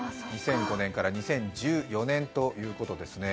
２００５年から２０１４年ということですね。